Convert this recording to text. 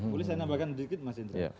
boleh saya nambahkan sedikit mas indra